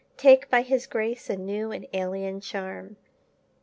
Take by his grace a new and alien charm.